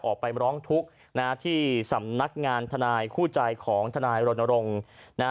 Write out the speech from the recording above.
ออกไปร้องทุกข์ที่สำนักงานทนายคู่ใจของทนายรณรงค์